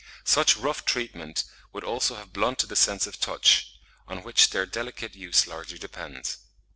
Such rough treatment would also have blunted the sense of touch, on which their delicate use largely depends.